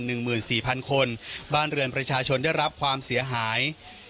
๑หมื่น๔๐๐๐คนบ้านเรือนประชาชนจะรับความเสียหาย